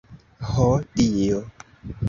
Ho, Dio!